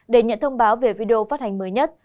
để nhận thông báo về video phát hành mới nhất